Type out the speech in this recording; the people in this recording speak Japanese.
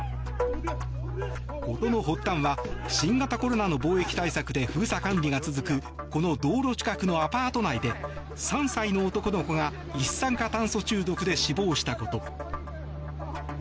事の発端は新型コロナの防疫対策で封鎖管理が続くこの道路近くのアパート内で３歳の男の子が一酸化炭素中毒で死亡したこと。